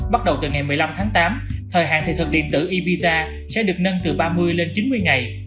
bắt đầu từ ngày một mươi năm tháng tám thời hạn thị thực điện tử e visa sẽ được nâng từ ba mươi lên chín mươi ngày